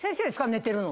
寝てるの。